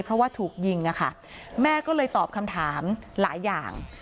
เพราะว่าถูกยิงอะค่ะแม่ก็เลยตอบคำถามหลายอย่าง